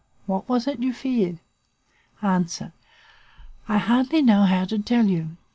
What was it you feared? "A. I hardly know how to tell you.